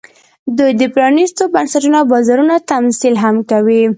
دوی د پرانېستو بنسټونو او بازارونو تمثیل هم کوي